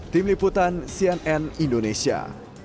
tim liputan cnn indonesia